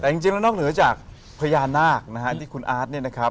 แต่จริงแล้วนอกเหนือจากพญานาคนะฮะที่คุณอาร์ตเนี่ยนะครับ